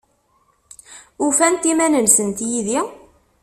Ufant iman-nsent yid-i?